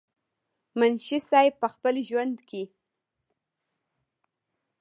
منشي صېب پۀ خپل ژوند کښې